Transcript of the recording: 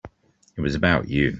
It was about you.